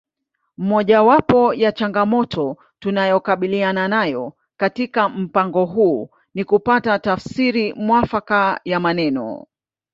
Mojawapo ya changamoto tunayokabiliana nayo katika mpango huu ni kupata tafsiri mwafaka ya maneno